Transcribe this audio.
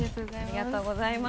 ありがとうございます。